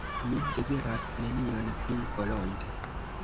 Mi deziras nenion pli volonte.